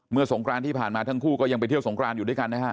สงครานที่ผ่านมาทั้งคู่ก็ยังไปเที่ยวสงครานอยู่ด้วยกันนะฮะ